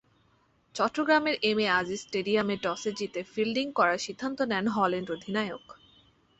চট্টগ্রামের এমএ আজিজ স্টেডিয়ামে টসে জিতে ফিল্ডিং করার সিদ্ধান্ত নেন হল্যান্ড অধিনায়ক।